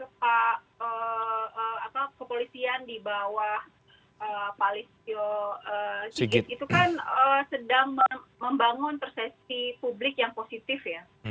kepolisian di bawah palisio cigit itu kan sedang membangun prosesi publik yang positif ya